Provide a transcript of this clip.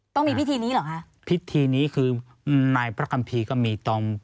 ต้องมีพิธีนี้เหรอคะพิธีนี้คือนายพระคัมภีร์ก็มีตอน